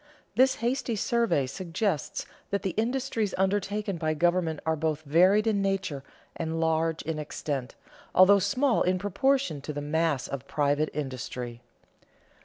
This hasty survey suggests that the industries undertaken by government are both varied in nature and large in extent, although small in proportion to the mass of private industry.